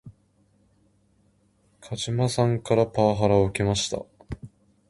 鹿島さんからパワハラを受けました